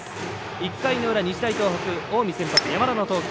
１回の裏、日大東北近江先発、山田の投球。